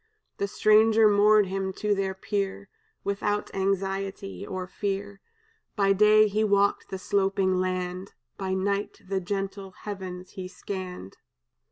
"The stranger moored him to their pier Without anxiety or fear; By day he walked the sloping land, By night the gentle heavens he scanned.